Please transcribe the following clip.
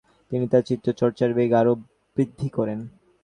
তিনি তার চিত্র চর্চার বেগ আরও বৃদ্ধি করেন।